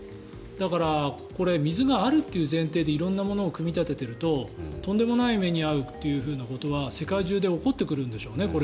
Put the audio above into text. だから、これ水があるという前提で色んなものを組み立てているととんでもない目に遭うということはこれから世界中で起こってくるんでしょうね。